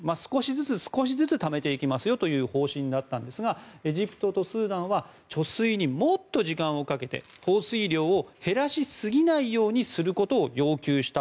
少しずつためていくという方針だったんですがエジプトとスーダンは貯水にもっと時間をかけて放水量を減らしすぎないようにすることを要求した。